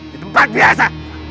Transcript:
di tempat biasa